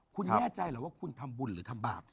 คุณแน่ใจเหรอว่าคุณทำบุญหรือทำบาป